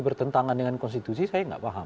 bertentangan dengan konstitusi saya nggak paham